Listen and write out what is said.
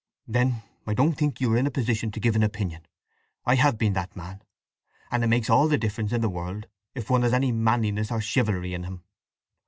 "Then I don't think you are in a position to give an opinion. I have been that man, and it makes all the difference in the world, if one has any manliness or chivalry in him.